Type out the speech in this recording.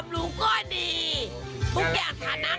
ปูดหัวปูดหัว